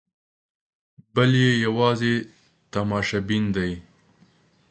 بل یې یوازې تماشبین دی.